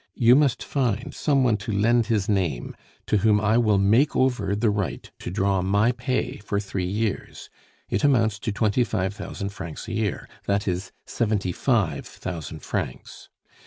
You must find some one to lend his name, to whom I will make over the right to draw my pay for three years; it amounts to twenty five thousand francs a year that is, seventy five thousand francs.